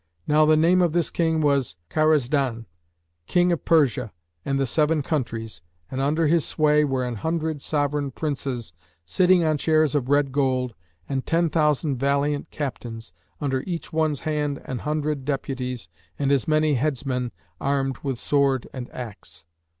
Now the name of this King was Karazdαn, King of Persia and of the Seven Countries, and under his sway were an hundred sovereign princes sitting on chairs of red gold, and ten thousand valiant captains, under each one's hand an hundred deputies and as many headsmen armed with sword and axe.